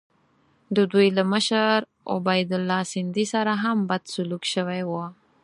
د دوی له مشر عبیدالله سندي سره هم بد سلوک شوی وو.